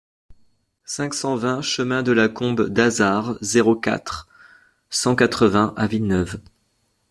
cinq cent vingt chemin de la Combe d'Azard, zéro quatre, cent quatre-vingts à Villeneuve